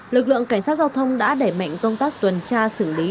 lực lượng cảnh sát giao thông đã đẩy mạnh công tác tuần tra xử lý